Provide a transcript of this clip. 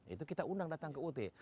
itu kita undang datang ke ut